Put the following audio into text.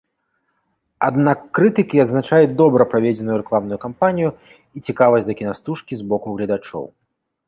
Аднак крытыкі адзначаюць добра праведзеную рэкламную кампанію і цікавасць да кінастужкі з боку гледачоў.